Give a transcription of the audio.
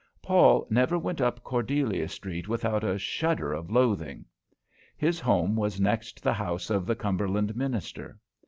Paul never went up Cordelia Street without a shudder of loathing. His home was next the house of the Cumberland minister.